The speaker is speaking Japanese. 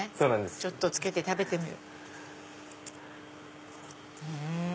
ちょっとつけて食べてみる。